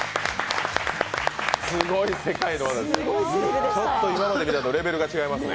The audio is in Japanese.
すごい世界の技でしたね。